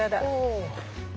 お。